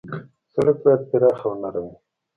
سړک باید پراخ او نرم وي.